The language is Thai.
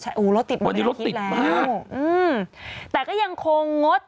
ใช่รถติดเหมือนกันคิดแล้วอืมแต่ก็ยังคงงด